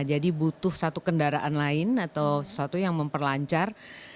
jadi butuh satu kendaraan lain atau sesuatu yang memperlancar